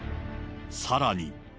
さらに。